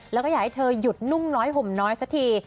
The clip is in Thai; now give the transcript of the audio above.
แล้วก็อยากให้เธอหยุดนุ่งน้อยห่มน้อยสักที